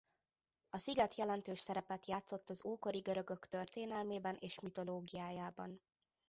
A sziget jelentős szerepet játszott az ókori görögök történelmében és mitológiájában.